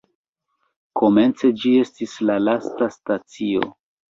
Komence ĝi estis la lasta stacio.